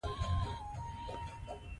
خپل ټولګی پاک وساتئ.